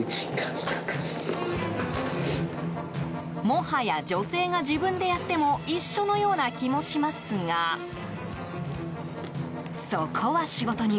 もはや、女性が自分でやっても一緒のような気もしますがそこは仕事人。